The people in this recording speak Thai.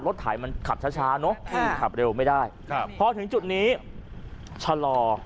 ไถมันขับช้าเนอะขับเร็วไม่ได้ครับพอถึงจุดนี้ชะลอ